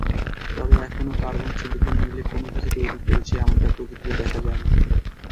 তবে এখনও কার্বন-সিলিকন মিলে কোনো কিছু তৈরী করেছে এমনটা প্রকৃতিতে দেখা যায় না।